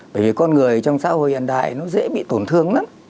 bởi vì con người trong xã hội hiện đại nó dễ bị tổn thương lắm